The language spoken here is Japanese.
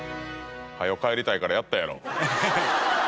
早う帰りたいからやったやろ。